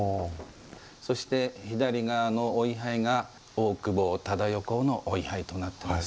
そして左側のお位はいが大久保忠世公のお位はいとなっています。